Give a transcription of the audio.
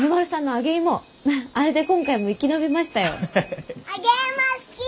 揚げ芋好き！